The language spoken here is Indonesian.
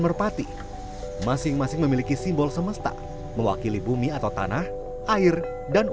merpati masing masing memiliki simbol sebuah kata yang berbeda dengan kata kata yang berbeda dengan